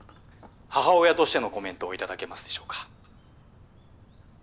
母親としてのコメントを頂けますでしょうか。